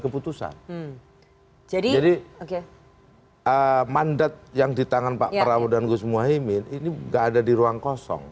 keputusan jadi oke mandat yang di tangan pak prabowo dan gus muhaymin ini enggak ada di ruang kosong